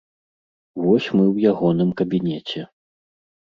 Вось мы ў ягоным кабінеце.